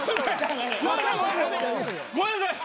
ごめんなさい。